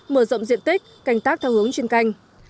mở rộng diện tích canh tác theo hướng chuyên canh